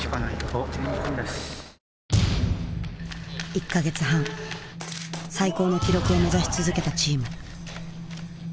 １か月半最高の記録を目指し続けたチーム。